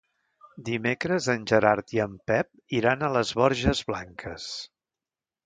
Dimecres en Gerard i en Pep iran a les Borges Blanques.